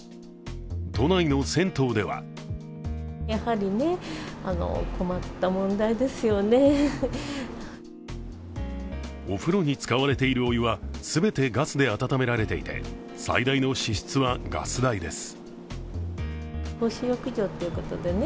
都内の銭湯ではお風呂に使われているお湯はすべてガスで温められていて最大の支出はガス代です。